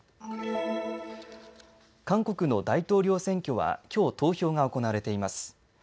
韓国の大統領選挙はきょう投票が行われています。